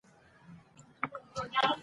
د جګړې په ډګر کې خلک خپل جرئت ښکاره کوي.